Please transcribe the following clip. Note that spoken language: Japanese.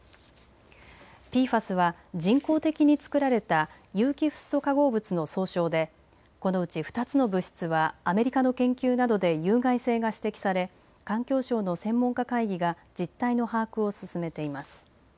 ＰＦＡＳは人工的に作られた有機フッ素化合物の総称でこのうち２つの物質はアメリカの研究などで有害性が指摘され環境省の専門家会議が実態の把握を進めています。